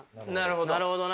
なるほどな。